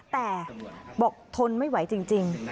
แต่บอกทนไม่ไหวจริง